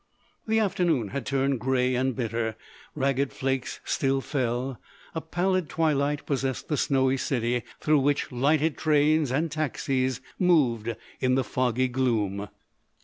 The afternoon had turned grey and bitter; ragged flakes still fell; a pallid twilight possessed the snowy city, through which lighted trains and taxis moved in the foggy gloom.